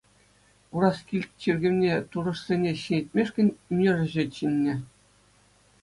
Ураскильт чиркӗвне турӑшсене ҫӗнетмешкӗн ӳнерҫӗ чӗннӗ.